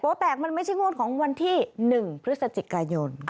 แตกมันไม่ใช่งวดของวันที่๑พฤศจิกายน